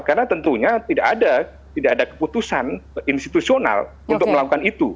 karena tentunya tidak ada keputusan institusional untuk melakukan itu